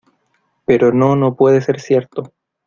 Pero no no puede ser cierto